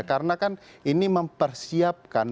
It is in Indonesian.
karena kan ini mempersiapkan